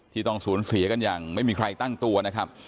ต้องสูญเสียกันอย่างไม่มีใครตั้งตัวนะครับ